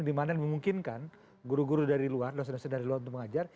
dimana memungkinkan guru guru dari luar dosa dosa dari luar untuk mengajar